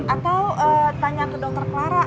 atau tanya ke dokter clara